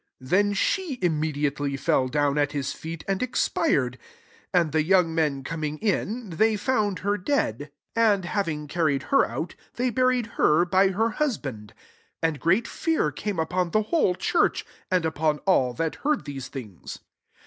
'' M Then she immediatelv fell do^ at his feet, and expired. An the young men coming in, the found her dead | and, havii ACTS V. SOT carried her out, th^ buried her by her husband. 11 And great fear came upon the whole churchy and upon all that heard these things.